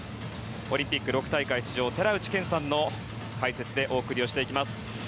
オリンピック６大会出場寺内健さんの解説でお送りしていきます。